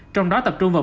trong đó tập trung vào